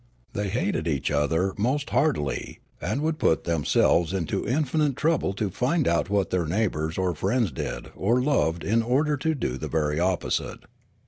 They hated each other most heartily, and would put themselves to in finite trouble to find out what their neighbours or friends did or loved in order to do the very opposite.